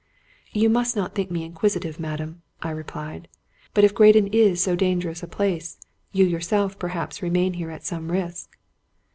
" You must hot think me inquisitive, madame," I replied; " but, if Graden is so dangerous a place, you yourself per haps remain here at some risk."